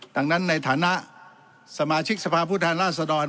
ดังนั้นในฐานะสมาชิกสภาพผู้แทนราชดร